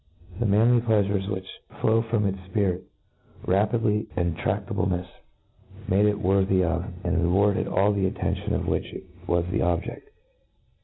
The manly pleafures which flow from its ipirit, rapidity^and tra&ablenefs, made it worthy of, and rewarded, all the attention of which it was the objcQ